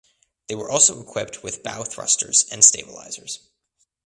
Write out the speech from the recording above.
They were also equipped with bow thrusters and stabilizers.